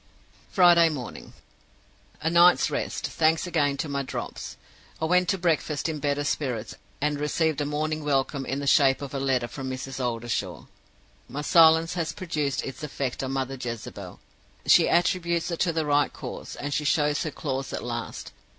"Friday morning. A night's rest, thanks again to my Drops. I went to breakfast in better spirits, and received a morning welcome in the shape of a letter from Mrs. Oldershaw. "My silence has produced its effect on Mother Jezebel. She attributes it to the right cause, and she shows her claws at last.